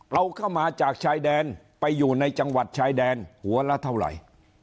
เอาเข้ามาจากชายแดนไปอยู่ในจังหวัดชายแดนหัวละเท่าไหร่